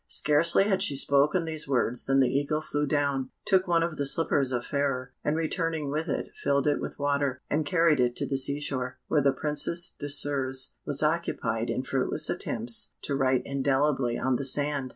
Scarcely had she spoken these words than the Eagle flew down, took one of the slippers of Fairer, and returning with it, filled it with water, and carried it to the sea shore, where the Princess Désirs was occupied in fruitless attempts to write indelibly on the sand.